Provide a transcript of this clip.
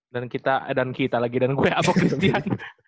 dan kita dan kita lagi dan gue abok kristian